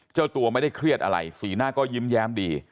เจ้าตัวไม่ได้เครียดอะไรสีหน้าก็ยิ้มแย้มดี